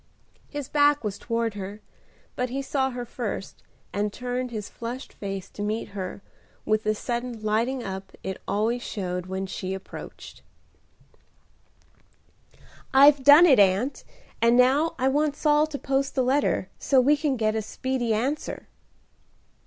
His back was toward her, but he saw her first, and turned his flushed face to meet her, with the sudden lighting up it always showed when she approached. "I've done it, Aunt; and now I want Saul to post the letter, so we can get a speedy answer."